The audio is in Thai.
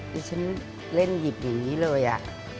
ดิฉันเล่นหยิบอย่างงี้เลยอ่ะ